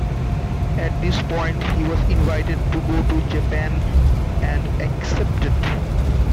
At this point he was invited to go to Japan, and accepted.